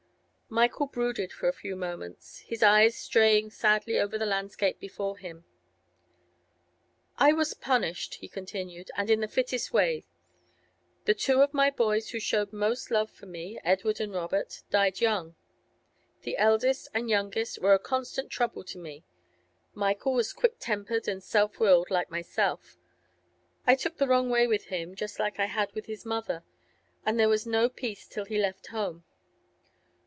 Michael brooded for a few moments, his eyes straying sadly over the landscape before him. 'I was punished,' he continued, 'and in the fittest way. The two of my boys who showed most love for me, Edward and Robert, died young. The eldest and youngest were a constant trouble to me. Michael was quick tempered and self willed, like myself; I took the wrong way with him, just like I had with his mother, and there was no peace till he left home.